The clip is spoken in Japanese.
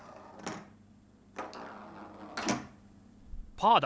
パーだ！